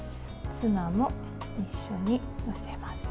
ツナも一緒に載せます。